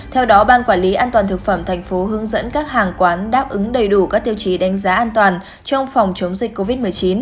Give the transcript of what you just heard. theo đó ban quản lý an toàn thực phẩm thành phố hướng dẫn các hàng quán đáp ứng đầy đủ các tiêu chí đánh giá an toàn trong phòng chống dịch covid một mươi chín